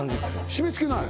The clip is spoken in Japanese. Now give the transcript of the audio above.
締め付けない？